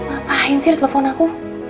apaan sih telepon aku